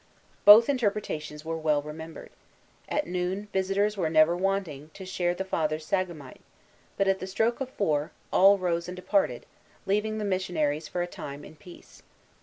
'" Both interpretations were well remembered. At noon, visitors were never wanting, to share the Fathers' sagamite; but at the stroke of four, all rose and departed, leaving the missionaries for a time in peace.